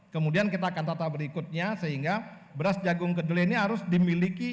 kemudian kita akan tata berikutnya sehingga beras jagung kedelai ini harus dimiliki